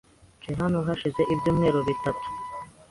Njye hano hashize ibyumweru bitatu.